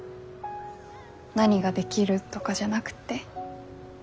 何ができるとかじゃなくて。